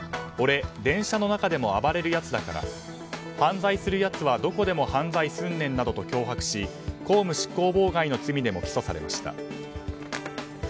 俺、電車の中でも暴れるやつだから犯罪するやつはどこでも犯罪すんねんなどと脅迫し、公務執行妨害の罪でも起訴されました。